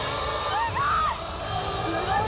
すごい！